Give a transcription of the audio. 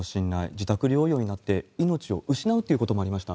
自宅療養になって命を失うということもありました。